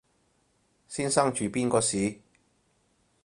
先生住邊個巿？